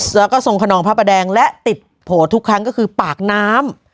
แล้วก็ทรงขนองพระประแดงและติดโผล่ทุกครั้งก็คือปากน้ำ